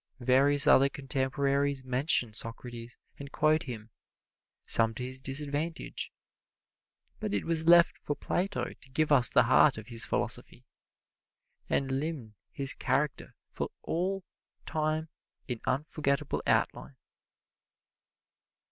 Various other contemporaries mention Socrates and quote him, some to his disadvantage, but it was left for Plato to give us the heart of his philosophy, and limn his character for all time in unforgetable outline.